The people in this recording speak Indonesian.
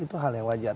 itu hal yang wajar